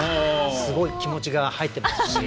すごい気持ちが入ってます。